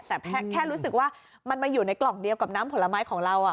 แต่แค่รู้สึกว่ามันมาอยู่ในกล่องเดียวกับน้ำผลไม้ของเรา